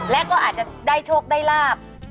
และก็อาจจะได้โชคได้ลาบ